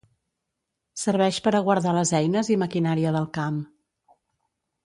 Serveix per a guardar les eines i maquinària del camp.